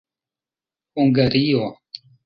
hungario